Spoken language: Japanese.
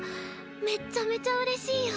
めっちゃめちゃうれしいよ。